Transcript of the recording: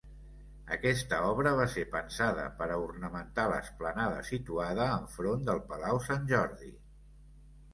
Aquesta obra va ser pensada per a ornamentar l'esplanada situada enfront del Palau Sant Jordi.